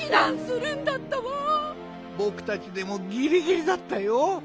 ぼくたちでもギリギリだったよ。